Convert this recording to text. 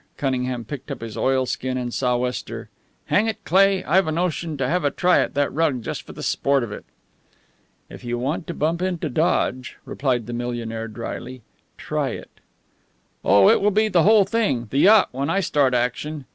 Cunningham picked up his oilskin and sou'wester. "Hang it, Cleigh, I've a notion to have a try at that rug just for the sport of it!" "If you want to bump into Dodge," replied the millionaire, dryly, "try it." "Oh, it will be the whole thing the yacht when I start action!